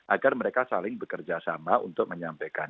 agar mereka saling bekerja sama untuk menyampaikan